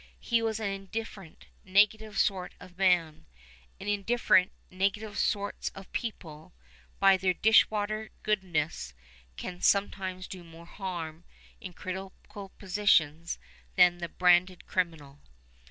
He was an indifferent, negative sort of man; and indifferent, negative sorts of people, by their dishwater goodness, can sometimes do more harm in critical positions than the branded criminal.